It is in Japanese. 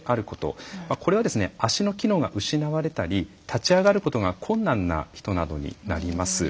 これは足の機能が失われたり立ち上がることが困難な人などになります。